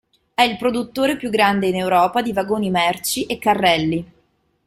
È il produttore più grande in Europa di vagoni merci e carrelli.